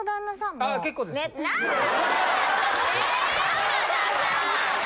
浜田さん！